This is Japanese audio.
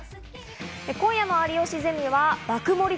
今夜の『有吉ゼミ』は爆盛り